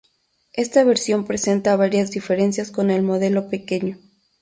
Esta versión presenta varias diferencias con el modelo pequeño.